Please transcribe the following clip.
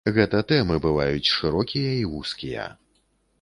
Гэта тэмы бываюць шырокія і вузкія.